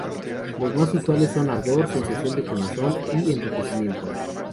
Los más usuales son ardor, sensación de quemazón y enrojecimiento.